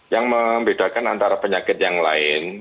yang membedakan antara penyakit yang lain